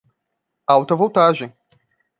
Alta voltagem!